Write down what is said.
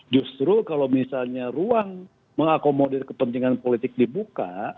justru kalau misalnya ruang mengakomodir kepentingan politik dibuka